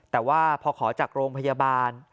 แต่ว่าพอขอจากโรงพยาบาล